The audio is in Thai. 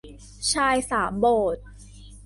ชายสามโบสถ์